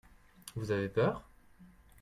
Vous avez peur ?